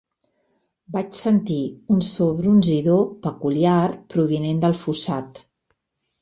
Vaig escoltar un so brunzidor peculiar provinent del fossat.